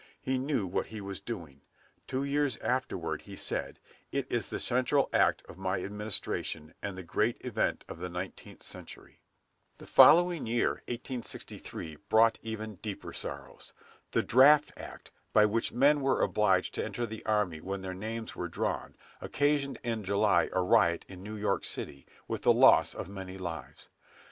He knew what he was doing. Two years afterward he said, "It is the central act of my administration, and the great event of the nineteenth century." The following year, 1863, brought even deeper sorrows. The "Draft Act," by which men were obliged to enter the army when their names were drawn, occasioned in July a riot in New York city, with the loss of many lives.